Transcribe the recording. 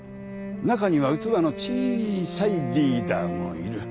中には器の小さいリーダーもいる。